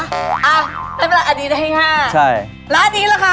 อ่ะไม่เป็นไรอันนี้ได้ให้๕ค่ะใช่แล้วอันนี้แหละคะ